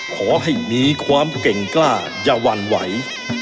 ขอให้มีความเก่งกล้าอย่าหวั่นไหว